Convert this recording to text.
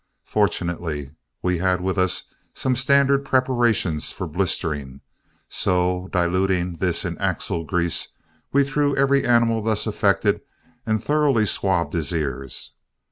Fortunately we had with us some standard preparations for blistering, so, diluting this in axle grease, we threw every animal thus affected and thoroughly swabbed his ears.